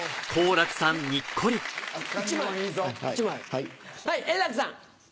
はい円楽さん。